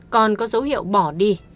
còn có dấu hiệu bỏ đi